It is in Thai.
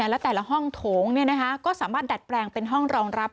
และแต่ละห้องโถงก็สามารถดัดแปลงเป็นห้องรองรับ